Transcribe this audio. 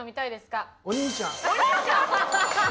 お兄ちゃん。